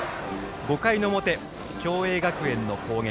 ５回の表、共栄学園の攻撃。